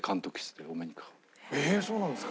えっそうなんですか？